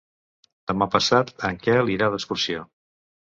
Demà passat en Quel irà d'excursió.